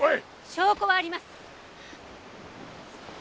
証拠はあります。